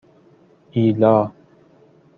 ایلا